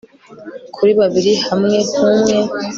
kuri babiri hamwe nkumwe